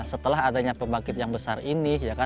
setelah adanya pembangkit yang besar ini